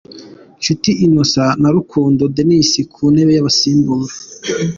Nshuti Innocent na Rukundo Denis ku ntebe y'abasimbura.